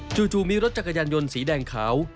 จู่มีรถจักรยานยนต์สีแดงขาว